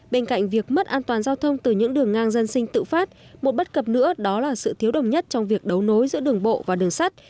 bên cạnh việc mất an toàn giao thông từ những đường ngang dân sinh tự phát một bất cập nữa đó là sự thiếu đồng nhất trong việc đấu nối giữa đường bộ và đường sắt